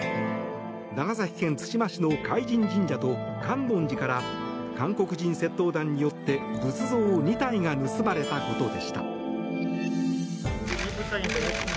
長崎県対馬市の海神神社と観音寺から韓国人窃盗団によって仏像２体が盗まれたことでした。